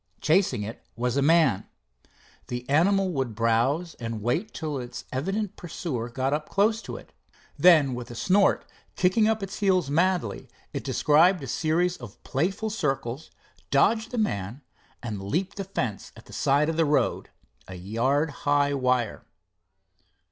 Chasing it was a man. The animal would browse and wait till its evident pursuer got up close to it. Then with a snort, kicking up its heels madly, it described a series of playful circles, dodged the man, and leaped the fence at the side of the road, a yard high wire.